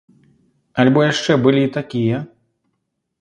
Альбо яшчэ былі такія?